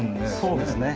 そうですね。